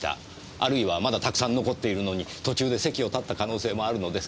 あるいはまだたくさん残っているのに途中で席を立った可能性もあるのですが。